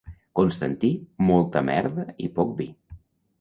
Constantí, molta merda i poc vi.